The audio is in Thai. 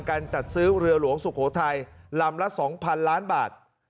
การจัดซื้อเรือหลวงสุโขทัยลำละ๒๐๐๐ล้านบาท